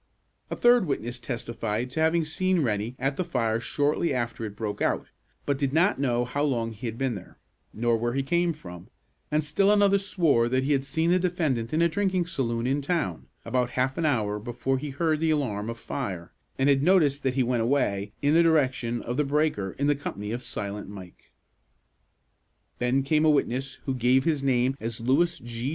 A third witness testified to having seen Rennie at the fire shortly after it broke out, but did not know how long he had been there, nor where he came from; and still another swore that he had seen the defendant in a drinking saloon in town, about half an hour before he heard the alarm of fire, and had noticed that he went away, in the direction of the breaker, in company with "Silent Mike." Then came a witness who gave his name as Lewis G.